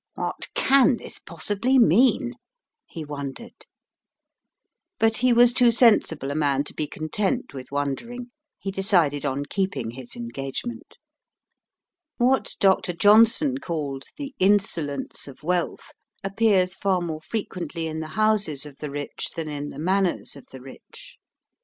"What can this possibly mean?" he wondered. But he was too sensible a man to be content with wondering; he decided on keeping his engagement. What Dr. Johnson called "the insolence of wealth" appears far more frequently in the houses of the rich than in the manners of the rich.